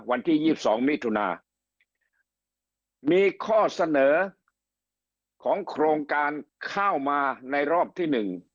วันที่๒๒มิถุนามีข้อเสนอของโครงการเข้ามาในรอบที่๑